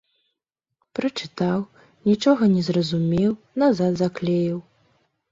Прачытаў, нічога не зразумеў, назад заклеіў.